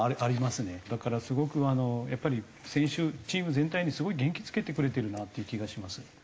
だからすごくやっぱり選手チーム全体にすごい元気づけてくれてるなっていう気がします。